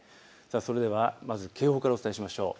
それでは警報からお伝えしましょう。